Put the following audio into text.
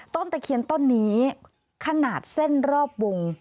ตะเคียนต้นนี้ขนาดเส้นรอบวง